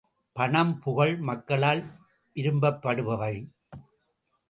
பணம், புகழ் மக்களால் விரும்பப்படுபவை.